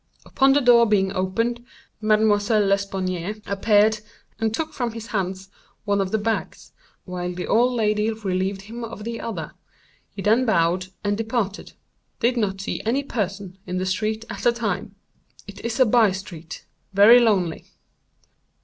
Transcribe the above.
Upon the door being opened, Mademoiselle L. appeared and took from his hands one of the bags, while the old lady relieved him of the other. He then bowed and departed. Did not see any person in the street at the time. It is a by street—very lonely.